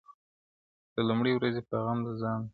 له لومړۍ ورځي په غم د ځان دی -